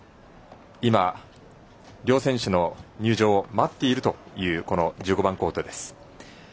今、両選手の入場を待っている１５番コートです。